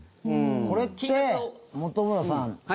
これって本村さん